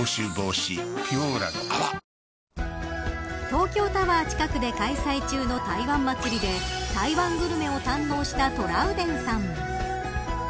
東京タワー近くで開催中の台湾祭で台湾グルメを堪能したトラウデンさん。